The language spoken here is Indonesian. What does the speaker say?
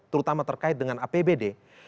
terutama terkait dengan apbd